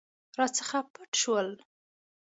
راڅخه پټ شول.